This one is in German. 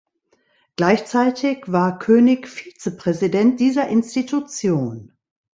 Gleichzeitig war König Vizepräsident dieser Institution.